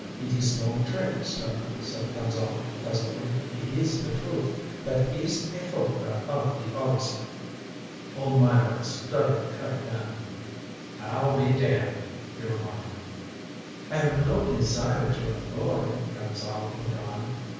"It is no trick, sir," said Gonzale pleasantly. "It is the truth. That is a photograph of the policy." Old Meyrick studied the cut again. "I'll be damned," he remarked. "I have no desire to annoy," Gonzale went on.